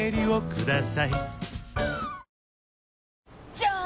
じゃーん！